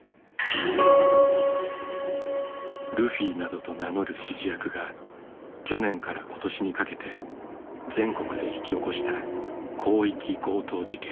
ルフィなどと名乗る指示役が去年から今年にかけて全国で引き起こした広域強盗事件。